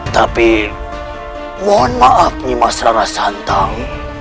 tapi mohon maaf nimas rarasantau